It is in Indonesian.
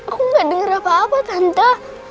aku gak denger apa apa tante